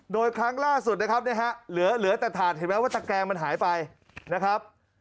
โดยครั้งล่าสุดนะครับเหลือแต่ถาดเห็นไหมว่าตะแกงมันหายไปนะครับ